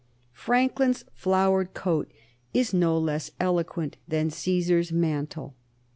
Franklin's flowered coat is no less eloquent than Caesar's mantle.